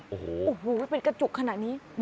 โอ้โหเป็นกระจุกขนาดนี้